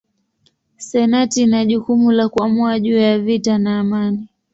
Senati ina jukumu la kuamua juu ya vita na amani.